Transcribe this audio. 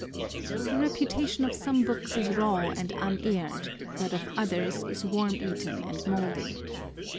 The reputation of some books is raw and unaired : that of others is worm eaten and mouldy.